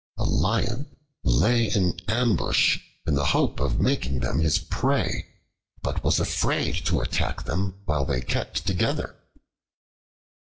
A Lion lay in ambush in the hope of making them his prey, but was afraid to attack them while they kept together.